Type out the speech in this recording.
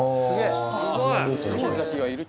すごい。